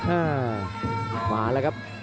อ่ามาแล้วครับ